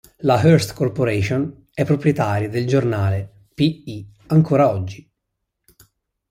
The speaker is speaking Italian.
La Hearst Corporation è proprietaria del giornale "P-I" ancora oggi.